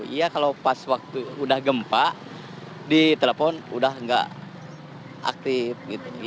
iya kalau pas waktu sudah gempa ditelepon sudah nggak aktif gitu